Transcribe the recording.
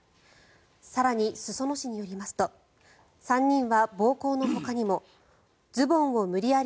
更に、裾野市によりますと３人は暴行のほかにもズボンを無理やり